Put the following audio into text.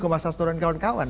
ke masa setoran kawan kawan